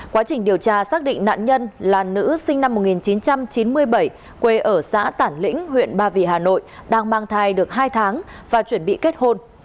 quá trình điều tra xác định nạn nhân là nữ sinh năm một nghìn chín trăm chín mươi bảy quê ở xã tản lĩnh huyện ba vì hà nội đang mang thai được hai tháng và chuẩn bị kết hôn